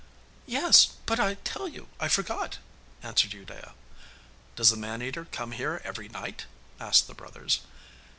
'Yes, but I tell you I forgot,' answered Udea. 'Does the man eater come here every night?' asked the brothers.